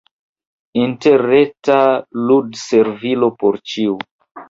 Interreta ludservilo por ĉiu.